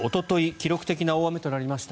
記録的な大雨となりました